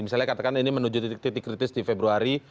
misalnya katakan ini menuju titik titik kritis di februari